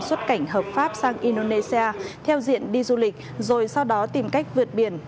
xuất cảnh hợp pháp sang indonesia theo diện đi du lịch rồi sau đó tìm cách vượt biển